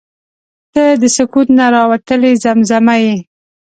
• ته د سکوت نه راوتلې زمزمه یې.